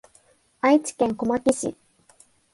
愛知県小牧市